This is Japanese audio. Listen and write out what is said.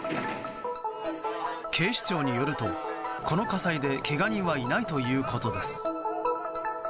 警視庁によると、この火災でけが人はいないということです。